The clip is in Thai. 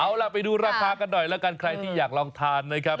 เอาล่ะไปดูราคากันหน่อยแล้วกันใครที่อยากลองทานนะครับ